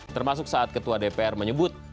termasuk saat ketua dpr menyebut